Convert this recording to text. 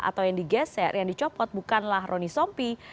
atau yang digeser yang dicopot bukanlah roni sompi